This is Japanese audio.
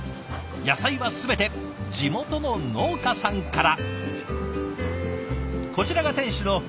野菜は全て地元の農家さんから！